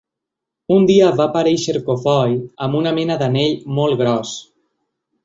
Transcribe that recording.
Un dia va aparèixer cofoi amb una mena d'anell molt gros.